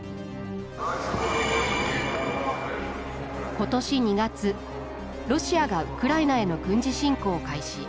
ことし２月ロシアがウクライナへの軍事侵攻を開始。